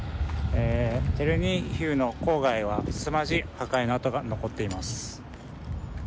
チェルニヒウの郊外はすさまじい破壊の跡が残っています。